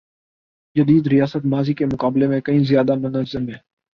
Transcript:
جدید ریاست ماضی کے مقابلے میں کہیں زیادہ منظم ہے۔